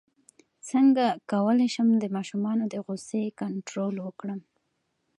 څنګه کولی شم د ماشومانو د غوسې کنټرول وکړم